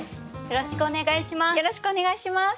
よろしくお願いします。